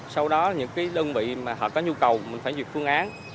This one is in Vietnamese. sau đó những đơn vị mà họ có nhu cầu mình phải duyệt phương án